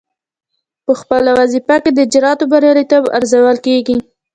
پخپله وظیفه کې د اجرااتو بریالیتوب ارزول کیږي.